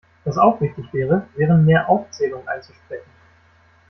Was auch wichtig wäre, wären mehr Aufzählungen einzusprechen.